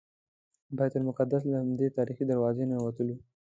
د بیت المقدس له همدې تاریخي دروازې ننوتلو.